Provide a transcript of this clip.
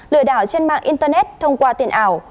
lừa đảo trên mạng internet thông qua tiền ảo